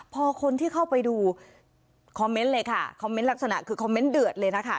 พอคนที่เข้าไปดูคอมเมนต์เลยค่ะคอมเมนต์ลักษณะคือคอมเมนต์เดือดเลยนะคะ